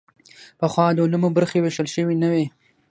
پخوا د علومو برخې ویشل شوې نه وې.